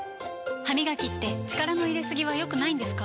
歯みがきって力の入れすぎは良くないんですか？